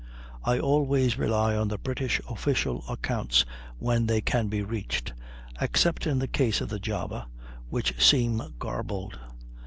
I always rely on the British official accounts when they can be reached, except in the case of the Java, which seem garbled.